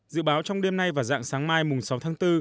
dự báo trong đêm nay và dạng sáng mai mùng sáu tháng bốn